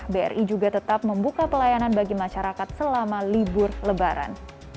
bri juga tetap membuka pelayanan bagi masyarakat selama libur lebaran